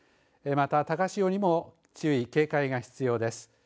また高潮にも注意、警戒が必要です。